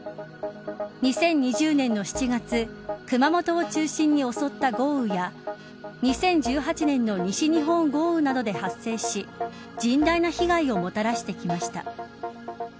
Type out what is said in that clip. ２０２０年の７月熊本を中心に襲った豪雨や２０１８年の西日本豪雨などで発生し甚大な被害をもたらしてきました。